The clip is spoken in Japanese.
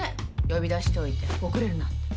呼び出しておいて遅れるなんて。